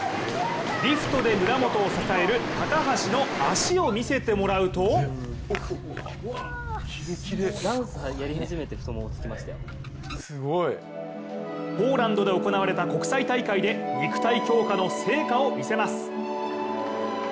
リフトで村元を支える高橋の足を見せてもらうとポーランドで行われた国際大会で肉体強化の成果を見せます。